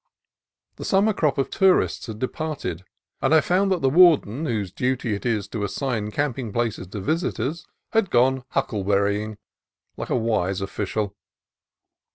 The summer crop of tourists had departed, and I found that the warden, whose duty it is to assign camping places to visitors, had gone huckleberrying, like a wise official.